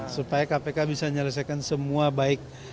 supaya kpk bisa menyelesaikan semua baik